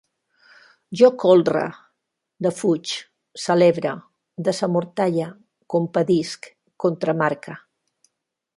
Jo colre, defuig, celebre, desamortalle, compadisc, contramarque